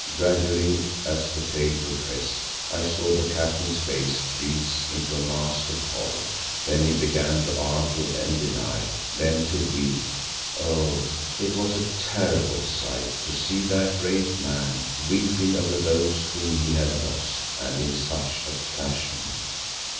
Gradually as the tale progressed, I saw the Captain's face freeze into a mask of horror. Then he began to argue and deny, then to weep—oh! it was a terrible sight to see that great man weeping over those whom he had lost, and in such a fashion.